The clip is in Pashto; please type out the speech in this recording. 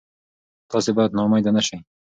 تاسي باید نا امیده نه شئ.